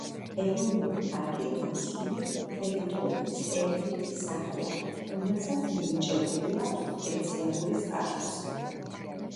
ეროვნული პარკი დაცული ტერიტორიის ერთ-ერთი სახეა, რომელსაც მინიჭებული აქვს სპეციალური სტატუსი.